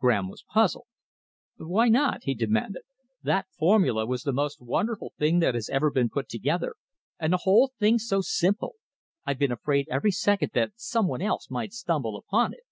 Graham was puzzled. "Why not?" he demanded. "That formula was the most wonderful thing that has ever been put together, and the whole thing's so simple. I've been afraid every second that some one else might stumble upon it."